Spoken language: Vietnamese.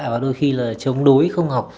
và đôi khi là chống đối không học